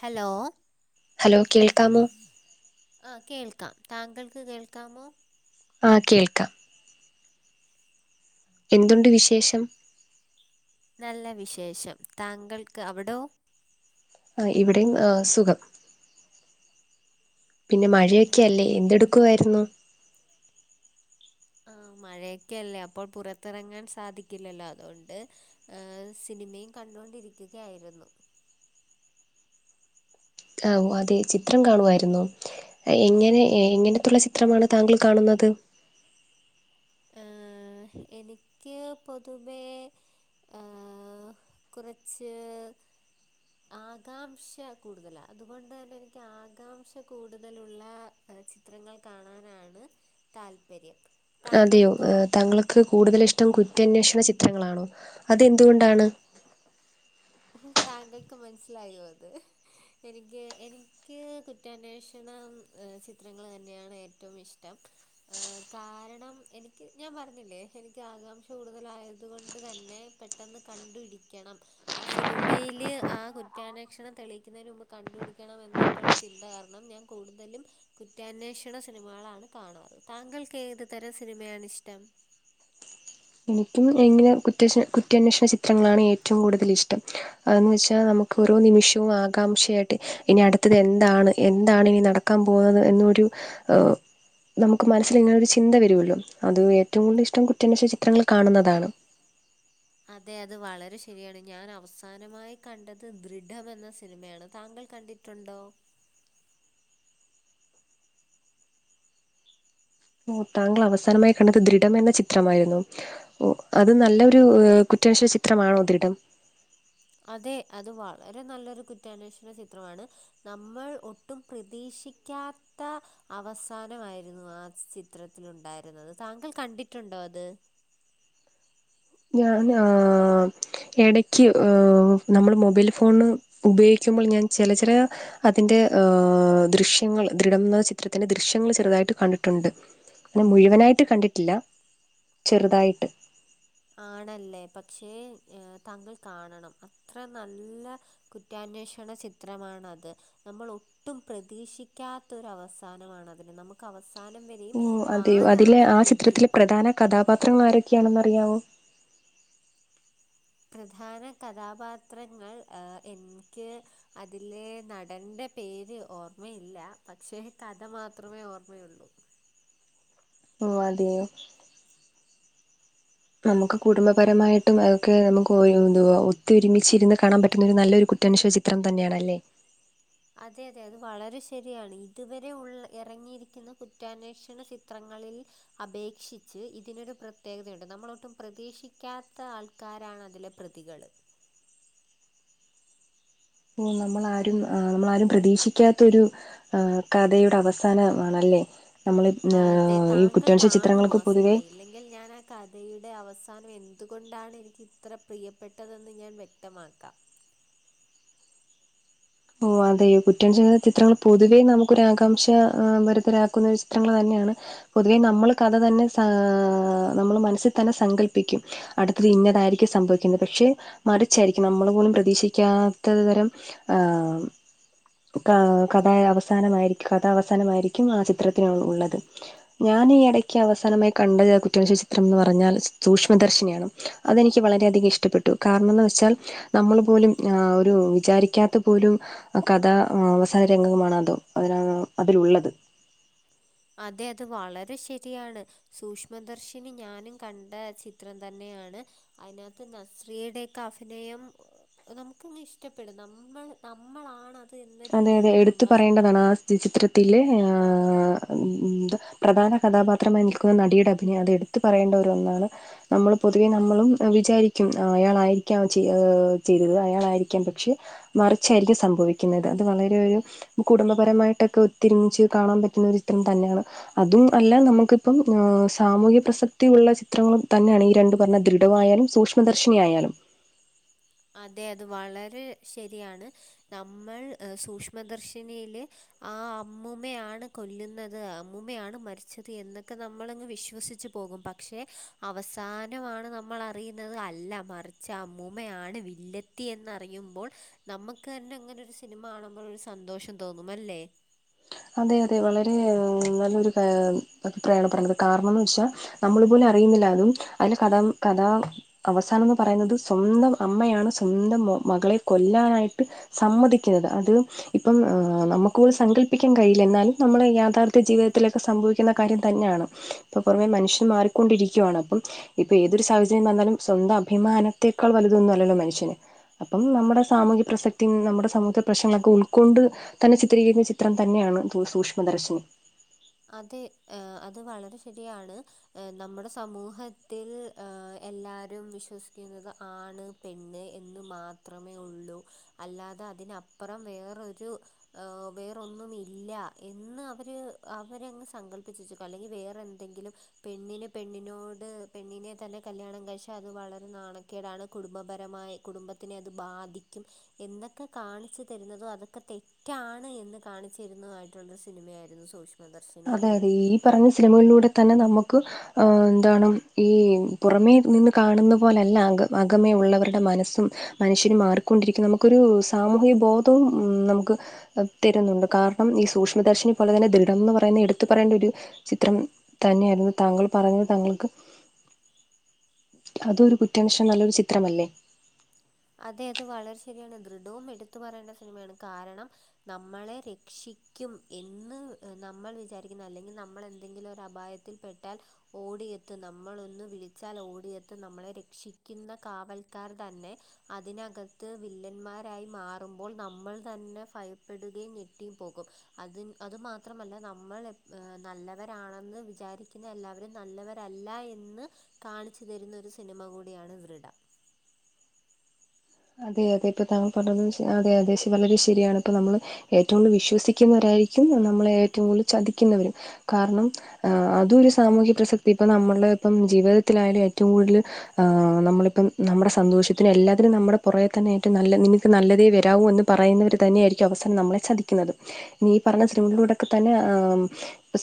Hello hello കേൾക്കാമോ ആഹ് കേൾക്കാം താങ്കൾക്ക് കേൾക്കാമോ? ആഹ് കേൾക്കാം. എന്തുണ്ട് വിശേഷം? നല്ല വിശേഷം താങ്കൾക്ക് അവിടോ? ആഹ് ഇവിടെയും സുഖം. പിന്നെ മഴയൊക്കെയല്ലേ, ഇവിടെയും സുഖം എന്തെടുക്കുവായിരുന്നു? ആഹ് മഴയൊക്കെല്ലേ അപ്പോൾ പുറത്തിറങ്ങാൻ സാധിക്കില്ലല്ലോ അതുകൊണ്ട്. ഏഹ് സിനിമയും കണ്ടുകൊണ്ടിരിക്കുകയായിരുന്നു. ആഹ് അതെ ചിത്രം കാണുവായിരുന്നു. എങ്ങനെ എങ്ങനത്തുള്ള ചിത്രമാണ് താങ്കൾ കാണുന്നത്? ആഹ് എനിക്ക് പൊതുവേ. ഏഹ് കുറച്ച് ആകാംക്ഷ കൂടുതല, അതുകൊണ്ട് തന്നെ എനിക്ക് ആകാംക്ഷ കൂടുതലുള്ള ചിത്രങ്ങൾ കാണാനാണ് താല്പര്യം. അതെയോ, താങ്കൾക്കോ താങ്കൾക്ക് കൂടുതൽ ഇഷ്ടം കുറ്റന്വേഷണ ചിത്രങ്ങളാണോ? അതെന്തുകൊണ്ടാണ്? ഓഹ് താങ്കൾക്ക് മനസ്സിലായോ അത്. എനിക്ക് എനിക്ക് കുറ്റാന്വേഷണം ചിത്രങ്ങൾ തന്നെയാണ് ഏറ്റവും ഇഷ്ടം. ഏഹ് കാരണം എനിക്ക് ഞാൻ പറഞ്ഞില്ലേ, എനിക്ക് ആകാംക്ഷ കൂടുതലായത് കൊണ്ട് തന്നെ പെ പെട്ടെന്ന് കണ്ട് പിടിക്കണം. ആഹ് സിനിമയില് ആ കുറ്റാന്വേഷണം തെളിയിക്കുന്നതിന് മുമ്പ് കണ്ടുപിടിക്കണം എന്നൊ ക്കുള്ള ചിന്ത കാരണം ഞാൻ കൂടുതലും കുറ്റാന്വേഷണ സിനിമകളാണ് കാണാർ. താങ്കൾക്ക് ഏതു തരം സിനിമയാണിഷ്ടം. എനിക്കും എങ്ങനെ കുറ്റഷ കുറ്റന്വേഷണ ചിത്രങ്ങളാണ് ഏറ്റവും കൂടുതൽ ഇഷ്ടം. അതന്ന് വെച്ചാ നമുക്ക് ഓരോ നിമിഷവും ആകാംക്ഷയായിട്ട് ഇനി അടുത്തത് എന്താണ് എന്താണ് ഇനി നട ക്കാൻ പോകുന്നത് എന്നൊരു നമുക്ക് മനസ്സിൽ ഇങ്ങനൊരു ചിന്ത വരുല്ലോ, അത് ഏറ്റവും കൂടുതൽ ഇഷ്ടം കുറ്റന്വേഷണ ചിത്രങ്ങൾ കാണുന്നതാണ്. അതെ അത് വളരെ ശരിയാണ്. ഞാൻ അവസാനമായി കണ്ടത് ദൃഢം എന്ന സിനിമയാണ് താങ്കൾ കണ്ടി ട്ടുണ്ടോ ഓ താങ്കൾ അവസാനമായി കണ്ടത് ദൃഢം എന്ന ചിത്രമായിരുന്നോ? ഓഹ് അത് നല്ലൊരു കുറ്റന്വേഷണ ചിത്രമാണോ ദൃഢം. അതെ അത് വളരെ നല്ലൊരു കുറ്റാന്വേഷണ ചിത്രമാണ്, നമ്മൾ ഒട്ടും പ്രതീക്ഷിക്കാത്ത അവസാനമായിരുന്നു ആ ചിത്രത്തിലുണ്ടായിരുന്നത് താങ്കൾ കണ്ടിട്ടുണ്ടോ അത്? ഞാനാ ഇടക്ക് നമ്മള് മൊബൈൽ ഫോണ് ഉപയോഗിക്കുമ്പോൾ ഞാൻ ചെല ചെല അതിന്റെ ദൃശ്യങ്ങൾ ദൃഢം എന്ന ചിത്രത്തിന്റെ ദൃശ്യങ്ങൾ ചെറുതായിട്ട് കണ്ടിട്ടുണ്ട്. അങ്ങനെ മുഴുവനായിട്ട് കണ്ടിട്ടില്ല, ചെറുതായിട്ട് ആണല്ലേ, പക്ഷേ താങ്കൾ കാണണം അത്ര നല്ല കുറ്റാന്വേഷണ ചിത്രമാണത്. നമ്മൾ ഒട്ടും പ്രതീക്ഷിക്കാത്ത ഒരു അവസാനമാണ് അതിന് നമ്മുക്ക് അവസാനം വരെയും ഓഹ് അതെയോ അതിലെ ആരാണ് ആ പ്രതി ചിത്രത്തിലെ പ്രധാന കഥാപാത്രങ്ങൾ ആരൊക്കെയാണെന്ന് അറിയാവോ? പ്രധാന കഥാപാത്രങ്ങൾ എനിക്ക് അതിലെ നടന്റെ പേര് ഓർമ്മയില്ല. പക്ഷേ കഥ മാത്രമേ ഓർമ്മയുള്ളൂ. ഓ അതെയോ? നമ്മുക്ക് കുടുംബപരമായിട്ടും അതക്കെ നമ്മുക്ക് എന്തുവാ ഒത്തൊരുമിച്ച് കാണൻ പറ്റുന്ന ഒരു നല്ലൊരു കുറ്റാന്വേഷണ ചി ത്രം തന്നെയാണല്ലേ? അതെ അതെ അത് വളരെ ശരിയാണ് ഇതുവരെ ഉള്ള ഇറങ്ങിയിരിക്കുന്ന കുറ്റാന്വേഷണ ചിത്രങ്ങളിൽ അപേക്ഷിച്ച് ഇതിനൊരു പ്രത്യേകതയുണ്ട് നമ്മൾ ഒട്ടും പ്രതീക്ഷിക്കാത്ത ആൾ കാരാണ്അതിലെ പ്രതികള്. ന്നി നമ്മളാരും നമ്മളാരും പ്രതീക്ഷിക്കാത്തൊരു കഥയുടെ അവസാനമാണല്ലേ? നമ്മൾ അതെ ഈ കുറ്റാന്വേഷണ ചിത്രങ്ങൾക്ക് പൊതുവേ എങ്കിൽ ഞാൻ ആ കഥയുടെ അവസാനം എന്തുകൊണ്ടാണ് എനിക്ക് ഇത്ര പ്രിയപ്പെട്ടതെന്ന് ഞാൻ വ്യക്തമാക്കാം. ഓ അതെയോ കുറ്റം ചെയ്ത ചിത്രങ്ങൾ പൊതുവേ നമുക്കൊരാകാംക്ഷ വരുതരാക്കുന്ന ചിത്രങ്ങൾ തന്നെയാണ്. പൊതുവേ നമ്മൾ കഥ തന്നെ സാ നമ്മൾ മനസ്സിൽ തന്നെ സങ്കല്പിക്കും. അടുത്തത് ഇന്നതായിരിക്കും സംഭവിക്കുന്നത് പക്ഷെ മറിച്ചായിരിക്കും നമ്മൾ പോലും പ്രതീക്ഷിക്കാത്ത തരം ആ കഥ അവസാനമായിരിക്കും കഥാവസാനമായിരിക്കും ആ ചിത്രത്തിനുള്ളത്. ഞാൻ ഈ ഇടയ്ക്ക് അവസാനമായി കണ്ട കുറ്റാന്വേഷണചിത്രം എന്ന് പറഞ്ഞാൽ സൂക്ഷ്മദർശിനിയാണ്. അതെനിക്ക് വളരെയധികം ഇഷ്ടപ്പെട്ടു കാരണം മെന്ന് വെച്ചാൽ നമ്മൾ പോലും അ ഒരു വിചാരിക്കാത്ത പ്പ ഒരു കഥാ അവസാന രംഗമാണ് അതും അതിന അതിലുള്ളത്. അതെ അത് വളരെ ശരിയാണ്. സൂക്ഷ്മദർശിനി ഞാനും കണ്ട ചിത്രം തന്നെയാണ്. അതിനകത്ത് നസ്രിയയുടെ ഒക്കെ അഭിനയം അത് നമുക്കങ്ങ് ഇഷ്ടപ്പെടും നമ്മൾ നമ്മളാണ് അതെ അതെ എടുത്തു പറയേണ്ടതാണ്. ആ ചിത്രത്തി ത്തിലെ ആ ന്ത് പ്രധാന കഥാപാത്രമായി നിൽക്കുന്ന നടിയുടെ അഭിനയം അത് എടുത്ത് ത്ത് പറയേണ്ട ഒരു ഒന്നാണ്. നമ്മൾ പൊതുവെ നമ്മളും വിചാരിക്കും അയ്യാളായിരിക്കാം ചെയ്തത് അയ്യാളായിരിക്കാം പക്ഷെ മറിച്ചായിരിക്കും സംഭവിക്കുന്നത് അത് വളരെ ഒരു കുടുംബപരമായിട്ടൊക്കെ ഒത്ത് ഒരുമിച്ച് കാണാൻ പറ്റുന്ന ഒരു ചിത്രം തന്നെയാണ്. അതും അല്ല നമുക്കിപ്പം സാമൂഹ്യ പ്രസക്തിയ ഉള്ള ചിത്രങ്ങളും തന്നെയാണ് ഈ രണ്ടു പറഞ്ഞ ദൃഢവായാലും സൂക്ഷ്മദർശിനിയായാലും അതെ അത് വളരെ ശരിയാണ് നമ്മൾ സൂക്ഷ്മദർശിനിയില് ആ അമ്മുമ്മേയാണ് കൊല്ലുന്നത് അമ്മുമ്മയാണ് മരിച്ചത് എന്നൊക്കെ നമ്മളങ്ങ് വിശ്വസിച്ചു പോകും. പ ക്ഷെ അവസാനമാണ് നമ്മൾ അറിയുന്നത് അല്ല മറിച്ച് അമ്മൂമ്മയാണ് വില്ലത്തി എന്നറിയുമ്പോൾ നമ്മുക്ക് തന്നെ അങ്ങനെ ഒരു സിനിമ കാണുമ്പോൾ ഒരു സന്തോഷം തോന്നും. അല്ലേ? അതെ അതെ വളരെ നല്ലൊരു കാ അഭിപ്രായമാണ് പറഞ്ഞത് കാരണംന്ന് വെച്ചാ നമ്മളു പോലും അറിയുന്നില്ല അതും അതില് കഥം കഥ അവസാനം എന്ന് പറയുന്നത് സ്വന്തം അമ്മയാണ് സ്വന്തം മകളെ കൊല്ലാനായിട്ട് സമ്മതിക്കുന്നത് അത് ഇപ്പം നമ്മുക്ക് പോലുംസങ്കൽ പ്പിക്കാൻ കഴയില്ല എന്നാലും നമ്മള് യാഥാർത്ഥ്യ ജീവിതത്തിലൊക്കെ സംഭവിക്കുന്ന കാര്യം തന്നെയാണ് ഇപ്പൊ പുറമേ മനുഷ്യൻ മാറി കൊണ്ടിരിക്കുകയാണ് അപ്പം ഇപ്പൊ ഏതൊരു സാഹചര്യം വന്നാലും സ്വന്തം അഭിമാനത്തേക്കാൾ വലുതൊന്നുമല്ലോ മനുഷ്യന് അപ്പം നമ്മുടെ സാമൂഹ്യ പ്രസക്തി നമ്മുടെ സമൂഹ പ്രശ്നങ്ങളൊക്കെ ഉൾക്കൊണ്ട് തന്നെ ചിത്രീകരിക്കുന്ന ത്രം തന്നെയാണ് സൂക്ഷ്മദർശിനി. അതെ അത് വളരെ ശരിയാണ്. ഹെ നമ്മുടെ സമൂഹത്തിൽ എല്ലാരും വിശ്വസിക്കുന്നത് ആൺ പെണ്ണ് എന്ന് മാത്രമേ ഉള്ളൂ അല്ലാതെ അതിനപ്പുറം വേറരു. വേറൊന്നും ഇല്ല എന്ന് അവര്. അവരെ അങ്ങ് സങ്കല്പ്പിച്ചക്കുക അല്ലെങ്കിൽ വേറെന്തെങ്കിലും. പെണ്ണിന് പെണ്ണിനോട് പെണ്ണിനെ തന്നെ കല്യാണം കാഴ്ച അത് വളരെ നാണക്കേടാണ് കുടുംബപരമായി കുടുംബത്തിനെ അത് ബാധിക്കും. എന്തൊക്കെ കാണിച്ചു തരുന്നതോ അതൊക്കെ തെറ്റാണ് എന്ന് കാണിച്ചു തരുന്നത ആയിട്ടുള്ള ഒരു സിനിമയായിരുന്നു സൂഷ്മ. മദർശ അതെ അതെ ഈ പറഞ്ഞ സിനിമകളിലൂടെ തന്നെ നമുക്ക് ആ എന്താണ് ഈ പുറമേ നിന്ന് കാണുന്ന പോലല്ല അ അകമേ ഉള്ളവരുടെ മനസ്സും. മനുഷ്യന് മാറിക്കൊണ്ടിരിക്കും നമുക്കൊരു സാമൂഹിക ബോധവും ഉ നമുക്ക് തരുന്നുണ്ട് കാരണം ഈ സൂക്ഷ്മദർശിനി പോലെ തന്നെ ദൃഢം എന്ന് പറ പറയുന്ന എടുത്തു പറയേണ്ട ഒരു ചിത്രം തന്നെയായിരുന്നു താങ്കൾ പറഞ്ഞത് താങ്കൾക്ക്. അതരു കുറ്റൻസൻ നല്ലൊരു ചിത്രമല്ലേ അതെ അത് വളരെ ശരിയാണ് ദൃഢവും എടുത്തു പറയേണ്ട സിനിമയാണ്. കാരണം നമ്മളെ രക്ഷിക്കും എന്ന് നമ്മൾ വിചാരിക്കുന്ന അല്ലെങ്കിൽ നമ്മൾ എന്തെങ്കിലും ഒരു അപായ ത്തിൽപ്പെട്ടാൽ ഓടിയെത്ത് നമ്മളൊന്ന് വിളിച്ചാൽ ഓടിയെത്ത് നമ്മളെ രക്ഷിക്കുന്ന കാവൽക്കാർ തന്നെ അതിനകത്ത് വില്ലന്മാരായി മാറുമ്പോൾ നമ്മൾ തന്നെ ഭയപ്പെടുകയും ഞെട്ടിയും പോകും. അത് അത് മാത്രമല്ല നമ്മൾ നല്ലവരാണെന്ന് വിചാരിക്കുന്ന എല്ലാവരും. നല്ലവരല്ല എന്ന് കാണിച്ചു തരുന്ന ഒരു സിനിമ കൂടിയാണ് ദൃഢം അതെ അതെ ഇപ്പൊ താങ്കൾ പറഞ്ഞ അതെ അതെ വളരെ ശരിയാണ്. ഇപ്പ നമ്മള് ഏറ്റവും കൂടുതൽ വിശ്വസിക്കുന്നവരായിരിക്കും. നമ്മളെ ഏറ്റവും കൂടുതൽ ചതിക്കുന്നവര്. കാരണം ആ അതുംരു സാമൂഹ്യ പ്രസക്തി ഇപ്പൊ നമ്മുടെ ഇപ്പം ജീവിതത്തിലായാലും ഏറ്റവും കൂടുതൽ. ആ് നമ്മളിപ്പം നമ്മുടെ സന്തോഷത്തിനന് എല്ലാത്തിനും. നമ്മു കുറേ തന്നൊയിട്ടും നല്ല നിങ്ങൾക്ക് നല്ലതേ വരമൂ എന്ന് പറയുന്നവർ തന്നെയായിരിക്കും അവസാനം നമ്മളെ ചതിക്കുന്നത്. നീ പറഞ്ഞ സിനിമളിലൂടെൊക്കെ തന്നെ ആ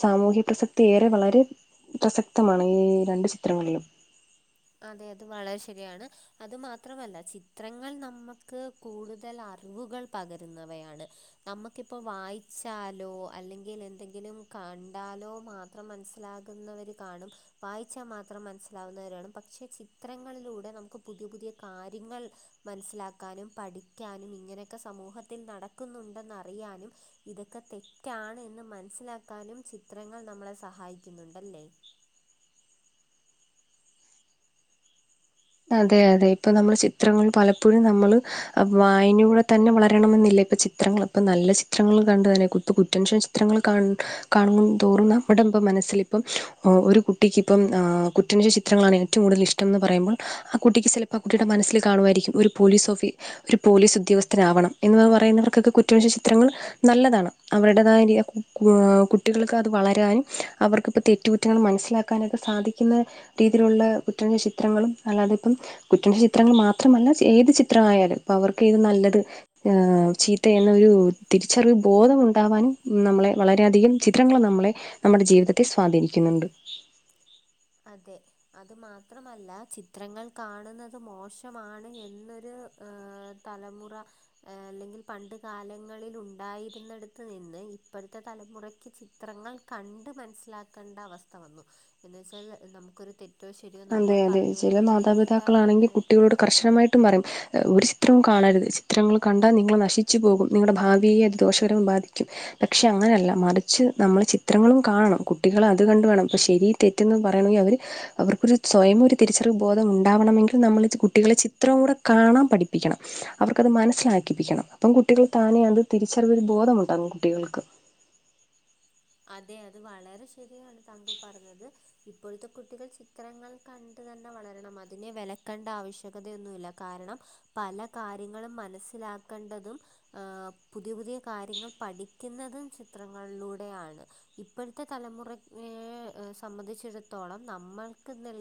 സാമൂഹ്യ പ്രസക്തി ഏറെ വളരെ പ്രസക്തമാണ് ഈ രണ്ടു ചിത്രങ്ങളിലും അതെ അത് വളരെ ശരിയാണ് അത് മാത്രമല്ല ചിത്രങ്ങൾ നമുക്ക്. കൂടുതൽ അറിവുകൾ പകരുന്നവയാണ് നമക്കിപ്പോ വായിച്ചാലോ അല്ലെങ്കിൽ എന്തെങ്കിലും കണ്ടാലോ മാത്ര മനസ്സിലാകുന്നവർ കാണും വായിച്ചാൽ മാത്രം മനസിലാവുന്നവരാണ്. പക്ഷേ ചിത്രങ്ങളിലൂടെ നമുക്ക് പുതിയ പുതിയ കാര്യങ്ങൾ മനസ്സിലാക്കാനും പഠി വ്ക്കാനും ഇങ്ങനെയൊക്കെ സമൂഹത്തിൽ നടക്കുന്നുണ്ടെന്നറിയാനും. ഇതൊക്കെ തെറ്റാണ് എന്ന് മനസ്സിലാക്കാനും ചിത്രങ്ങൾ നമ്മളെ സഹായിക്കുന്നുണ്ടല്ലേ അതെ അതെ ഇപ്പൊ നമ്മള് ചിത്രങ്ങൾ പലപ്പോഴും നമ്മള് വായനൂടെ തന്നെ വളരണമെന്നില്ല ഇപ്പ ചിത്രങ്ങൾ ഇപ്പ നല്ല ചിത്രങ്ങൾ കണ്ട തന്നെപ്പ കുറ്റൻഷൻ ചിത്രങ്ങൾ കാണ തോറുന്ന അവിടെമ്പ മനസ്സിൽ ഇപ്പം ഒരു കുട്ടിക്ക്പ്പം കുന ചിത്രങ്ങളാണ് ഏറ്റവും കൂടുതൽ ഇഷ്ടം ഇഷടംന്ന് പറയുമ്പോൾ ആ കുട്ടിക്ക് ചിലപ്പോൾ ആ കുട്ടിയുടെ മനസ്സിൽ കാണുമായിരിക്കും ഒരു പോലീസ് ഓഫീ ഒരു പോലീസ് ഉദ്യോഗസ്ഥനാവണം എന്ന് പറയുന്നവർക്കൊക്കെ കുറ്റവശ ചിത്രങ്ങൾ. നല്ലതാണ് അവരുടേതായ കുട്ടികൾക്ക് അത് വളരാനും അവർക്കിപ്പോ തെറ്റ് തെറ്റുകുറ്റങ്ങൾ മനസ്സിലാക്കാനൊക്കെ സാധിക്കുന്ന രീതിയിലുള്ള കുറ്റന ചിത്രങ്ങളും അല്ലാതെ ഇപ്പം കുറ്റന്റെ ചിത്രങ്ങൾ മാത്രമല്ല ഏത് ചിത്ര ആയാലും ഇപ്പ അവർക്ക് ത് നല്ലത് ചീത്ത എന്നൊരു തിരിച്ചറിവ് ബോധമുണ്ടാാവാനും നമ്മളെ വളരെയധികം ചിത്രങ്ങൾ നമ്മളെ നമ്മുടെ ജീവിതത്തെ സ്വാധീനിക്കുന്നുണ്ട്. അതെ അത് മാത്രമല്ല ചിത്രങ്ങൾ കാണുന്നത് മോശമാണ് എന്നൊരു തലമുറ അല്ലെങ്കിൽ പണ്ട് കാലങ്ങളിൽ ഉണ്ടായിരുന്നിടത്ത് നിന്ന് ഇപ്പോഴത്തെ തലമുറയ്ക്ക് ചി ചിത്രങ്ങൾ കണ്ട് മനസ്സിലാക്കേണ്ട അവസ്ഥ വന്നു എന്നന്ന് വെച്ചാൽ നമുക്കൊരു തെറ്റ്. തെറ്റോ ശരിയോ അതെ നമ്മൾ അതെ പറഞ്ഞ് ചില കൊടുക്കുന്നതിനേക്കാൾ മാതാപിതാക്കളാണെങ്കിൽ നല്ലതായിട്ട് കുട്ടികളോട് കർശനമായിട്ടും പറയും ഒരു ചിത്രവും കാണരുത് ചിത്രങ്ങൾ കണ്ടാൽ നിങ്ങളെ നശിച്ചു പോകും. നിങ്ങളുടെ ഭാവിയെ അത് ദോഷകരം ബാധിക്കും. പക്ഷെ അങ്ങനല്ല മറിച്ച് നമ്മള് ചിത്രങ്ങളും കാണണം കുട്ടികള അത് കണ്ട് വേണം ഇപ്പ ശരി തെറ്റെന്ന് പറയണമെങ്കിൽ അവർ അവർക്ക് ഒരു സ്വയമൊരു തിരിച്ചറിവ് ബോധം ഉണ്ടാവണമെങ്കിൽ നമ്മൾ കുട്ടികളെ ചിത്രം കൂടെ കാണാൻ പഠിപ്പിക്കണം. അവർക്കത് മനസ്സിലാക്കിപ്പിക്കണം അപ്പം കുട്ടികൾ താനെ അത് തിരിച്ചറിവ ഒരു ബോധമുണ്ടാകും. കുട്ടികൾക്ക്. അതെ അത് വളരെ ശരിയാണ്. താങ്കൾ പറഞ്ഞത്. ഇപ്പോഴത്തെ കുട്ടികൾ ചിത്രങ്ങൾ കണ്ട് തന്നെ വളരണം അതിനെ വിലക്കേണ്ട. ആവശ്യകതയൊന്നുമില്ല. കാരണം പല കാര്യങ്ങളും മനസ്സിലാക്കേണ്ടതും ആഹ് പുതിയ പുതിയ കാര്യങ്ങൾ പഠിക്കുന്നതും ചിത്രങ്ങളിലൂടെയാണ് ഇപ്പോഴത്തെ തലമുറയെ സംബന്ധിച്ചിടത്തോളം നമ്മൾക്ക് നെൽ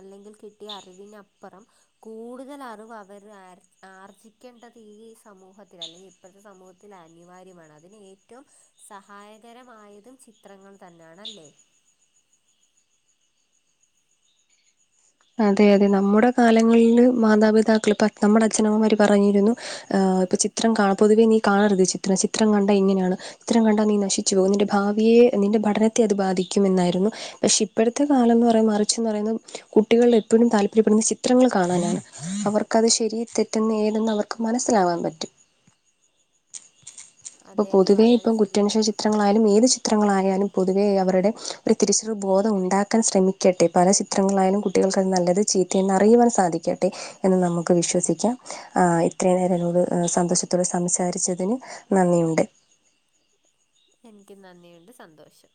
അല്ലെങ്കിൽ കിട്ടിയ അറിവിനപ്പുറം കൂടുതൽ അറിവ് അവര് ആർ ആർജിക്കേണ്ടത് ഈ സമൂഹത്തിൽ അല്ലെ ഇപ്പോഴത്തെ സമൂഹത്തിൽ അനിവാര്യമാണ്. അതിനന് ഏറ്റവും സഹായ തരമായതും ചിത്രങ്ങൾ തന്നെയാണ് അല്ലേ അതെ അതെ നമ്മുടെ കാലങ്ങളില് മാതാപിതാക്കൾ ഇപ്പ നമ്മുടെ അച്ഛനമ്മമാര് പറഞ്ഞിരുന്നു. ആഹ് ഇപ്പ ചിത്രം പൊതുവേ നീ കാണരുത്. ചിത്രം ചിത്രം കണ്ട എങ്ങനെയാണ്? ചിത്രം കണ്ടാ നീ നശിച്ചു പോകും നിന്റെ ഭാവിയെ നിന്റെ പഠനത്തെ അത് ബാധിക്കും എന്നായിരുന്നു പക്ഷെ ഇപ്പോഴത്തെ കാലം എന്ന് പറയ മറിച്ച്ന്ന് പറയുന്നത് കുട്ടികള എപ്പോഴും താല്പര്യപ്പെടുന്ന ചിത്രങ്ങൾ കാണാനാണ് അവർക്കത് ശരി തെറ്റെന്ന് ഏതെന്ന് അവർക്ക് മനസ്സിലാകൻ പറ്റും അപ്പൊ അതെ അത് പൊതുവെ വളരെ ഇപ്പം കുറ്റനുശോ ശരിയാണ് ചിത്രങ്ങളായാലും ഏത് ചിത്രങ്ങളായാലും പൊതുവെ അവരുടെ ഒരു തിരിച്ചെറു ബോധം ഉണ്ടാക്കാൻ ശ്രമിക്കും ട്ടെ പല ചിത്രങ്ങളിലായാലും കുട്ടികൾക്ക്ത് നല്ലത് ചീത്തയന്ന് അറിയുവാൻ സാധിക്കട്ടെ. എന്ന് നമുക്ക് വിശ്വസിക്കാം ആ ഇത്രയും നേരം എന്നോട് സന്തോഷത്തോടെ സംസാരിച്ചതിന് നന്ദിയുണ്ട്. എനിക്കും നന്ദിയുണ്ട്. സന്തോഷം.